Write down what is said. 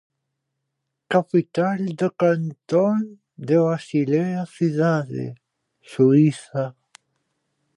Capital do cantón de Basilea-Cidade, Suíza.